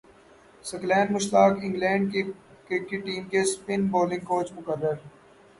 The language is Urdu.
ثقلین مشتاق انگلینڈ کرکٹ ٹیم کے اسپن بالنگ کوچ مقرر